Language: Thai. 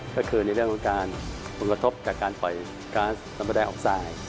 ก็คือในเรื่องของการบังกลทบจากการปล่อยการสัมพันธ์แดงออกทราย